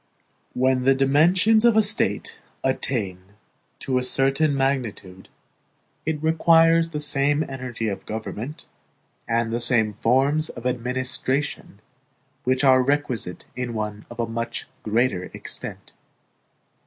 When the dimensions of a State attain to a certain magnitude, it requires the same energy of government and the same forms of administration which are requisite in one of much greater extent.